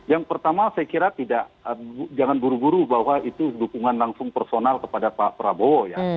yang pertama saya kira tidak jangan buru buru bahwa itu dukungan langsung personal kepada pak prabowo ya